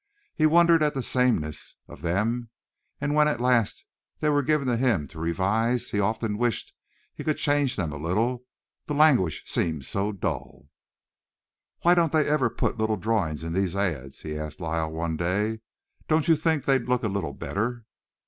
He wondered at the sameness of them, and when, at last, they were given to him to revise he often wished he could change them a little. The language seemed so dull. "Why don't they ever put little drawings in these ads?" he asked Lyle one day. "Don't you think they'd look a little better?"